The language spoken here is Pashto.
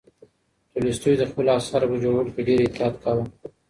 تولستوی د خپلو اثارو په جوړولو کې ډېر احتیاط کاوه.